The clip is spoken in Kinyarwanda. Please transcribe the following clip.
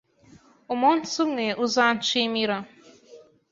Umunsi umwe uzanshimira.